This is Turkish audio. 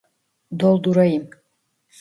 Doldurayım